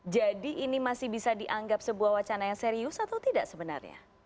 jadi ini masih bisa dianggap sebuah wacana yang serius atau tidak sebenarnya